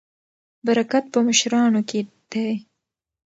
برکت په مشرانو کې دی.